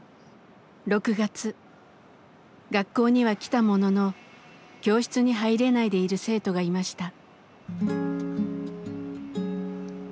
学校には来たものの教室に入れないでいる生徒がいました。